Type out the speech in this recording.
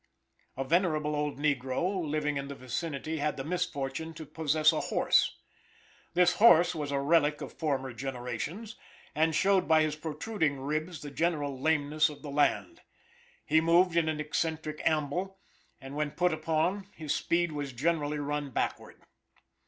A venerable old negro living in the vicinity had the misfortune to possess a horse. This horse was a relic of former generations, and showed by his protruding ribs the general leanness of the land. He moved in an eccentric amble, and when put upon his speed was generally run backward.